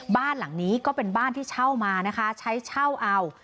บ้านหลังนี้ก็เป็นบ้านที่เช่ามานะคะใช้เช่าเอา